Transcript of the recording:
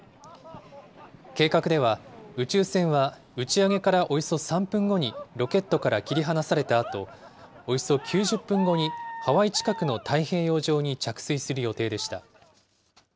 計画では、宇宙船は打ち上げからおよそ３分後にロケットから切り離されたあと、およそ９０分後にハワイ近くの太平洋上に着水する予定でした。